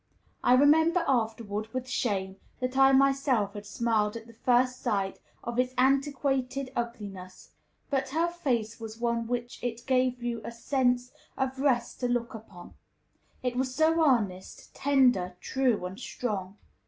I remembered afterward, with shame, that I myself had smiled at the first sight of its antiquated ugliness; but her face was one which it gave you a sense of rest to look upon, it was so earnest, tender, true, and strong.